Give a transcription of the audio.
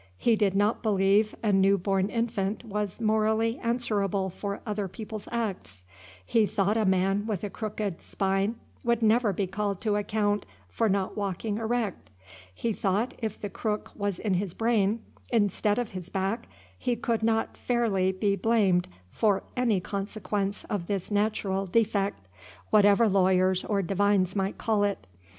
He did not believe a new born infant was morally answerable for other people's acts. He thought a man with a crooked spine would never be called to account for not walking erect. He thought if the crook was in his brain, instead of his back, he could not fairly be blamed for any consequence of this natural defect, whatever lawyers or divines might call it.